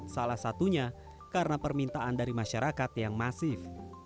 salah satunya karena permintaan dari masyarakat yang masif